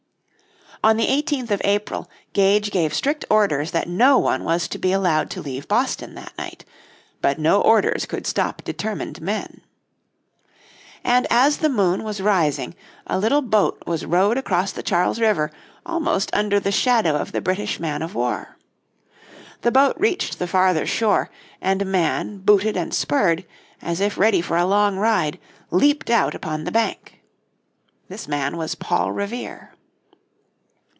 On the 18th of April Gage gave strict orders that no one was to be allowed to leave Boston that night. But no orders could stop determined men. And as the moon was rising a little boat was rowed across the Charles river almost under the shadow of the British man of war. The boat reached the farther shore and a man booted and spurred, and if ready for a long ride, leaped out upon the bank. This man was Paul Revere.